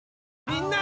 みんな！